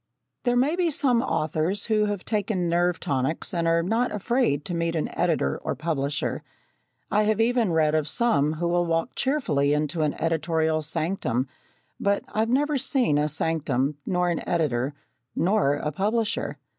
There may be some authors who have taken nerve tonics and are not afraid to meet an editor or publisher. I have even read of some who will walk cheerfully into an editorial sanctum but I've never seen a sanctum, nor an editor, nor a publisher.